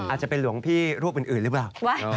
อาจจะเป็นหลวงพี่รูปอื่นหรือเปล่า